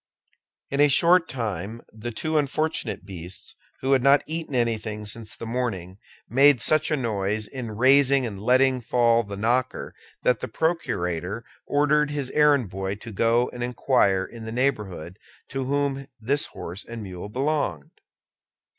In a short time the two unfortunate beasts, who had not eaten anything since the morning, made such a noise in raising and letting fall the knocker that the procurator ordered his errand boy to go and inquire in the neighborhood to whom this horse and mule belonged.